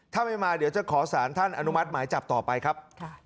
ถ้าไม่มาเดี๋ยวจะขอสารท่านอนุมัติหมายจับต่อไปครับ